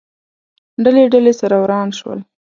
ډلې، ډلې، سره وران شول